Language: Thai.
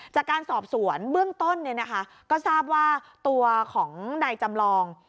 จากการสอบสวนเบื้องต้นเนี่ยนะคะก็ทราบว่าตัวของในจำลอง